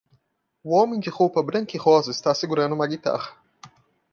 O homem de roupa branca e rosa está segurando uma guitarra.